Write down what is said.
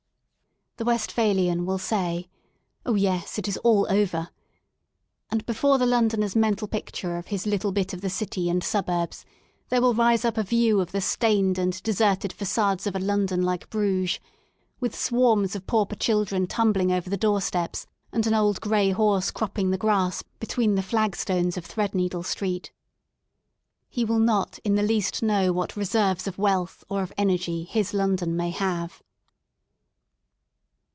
The Westphalian will say: " Oh yes, it is all over," and before the Londoner's mental picture of his little bit of the city and suburbs there will rise up a view of the stained and deserted fa9ades of a London like Bruges, with swarms of pauper children tumbling over the doorsteps, and an old gray horse cropping the grass between the flagstones of Threadneedle Street. He will not in the least know what reserves of wealth or of energy his London may have.